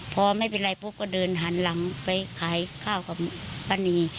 พอไม่เป็นไรปุ๊บก็เดินหันหลังไปขายข้าวกับป้านี